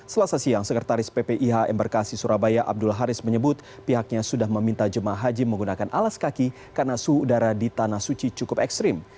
selasa siang sekretaris ppih embarkasi surabaya abdul haris menyebut pihaknya sudah meminta jemaah haji menggunakan alas kaki karena suhu udara di tanah suci cukup ekstrim